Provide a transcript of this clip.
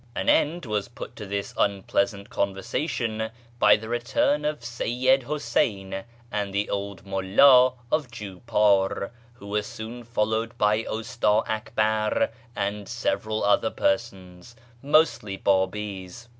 An end was put to this unpleasant conversation by the return of Seyyid Huseyn and the old muUd of Jupar, who were soon followed by Usta Akbar and several other persons, mostly Babi's.